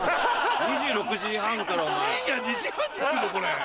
２６時半からお前。